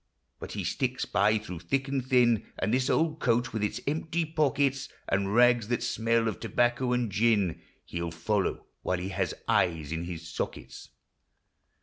But he sticks by through thick and thin ; And this old coat, with its empty pockets, And rags that smell of tobacco and gin, He '11 follow while he has eyes in his sockets.